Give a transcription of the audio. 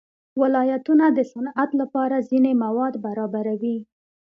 ولایتونه د صنعت لپاره ځینې مواد برابروي.